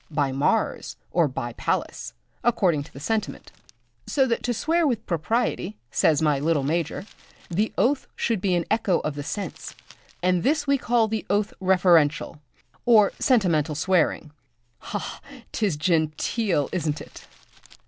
by Mars! or by Pallas! according to the sentiment, so that to swear with propriety, says my little major, the oath should be an echo of the sense; and this we call the oath referential, or sentimental swearing ha! ha! 'tis genteel, isn't it?